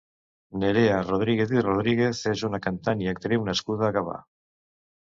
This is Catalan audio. Nerea Rodríguez i Rodríguez és una cantant i actriu nascuda a Gavà.